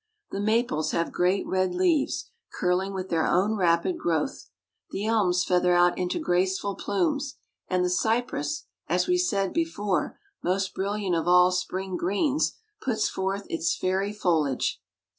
The maples have great red leaves, curling with their own rapid growth; the elms feather out into graceful plumes; and the cypress, as we said before, most brilliant of all spring greens, puts forth its fairy foliage.